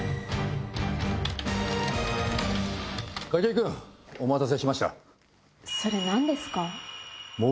筧君お待たせしました。